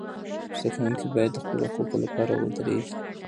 زده کوونکي باید د خپلو حقوقو لپاره ودریږي.